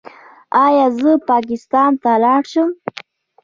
ایا زه پاکستان ته لاړ شم؟